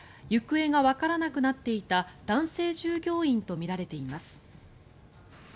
行方がわからなくなっていた男性従業員とみられています。